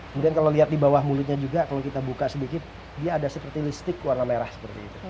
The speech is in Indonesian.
kemudian kalau lihat di bawah mulutnya juga kalau kita buka sedikit dia ada seperti listrik warna merah seperti itu